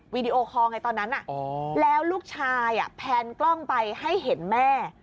วีดีโอคอลไงตอนนั้นแล้วลูกชายแพนกล้องไปให้เห็นแม่